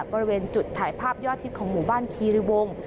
บริเวณจุดถ่ายภาพยอดฮิตของหมู่บ้านคีริวงศ์